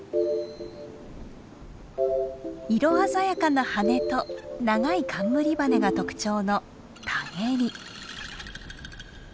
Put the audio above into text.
色鮮やかな羽と長い冠羽が特徴のタゲリ。